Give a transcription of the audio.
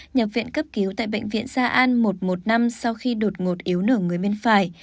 nhập viện cấp cứu tại bệnh viện gia an một trăm một mươi năm sau khi đột ngột yếu nửa người bên phải